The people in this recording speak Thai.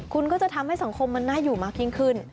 คุณก็จะทำให้สังคมมันน่าอยู่มากยิ่งขึ้น